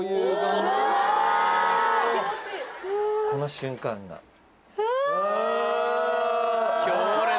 この瞬間が。あ！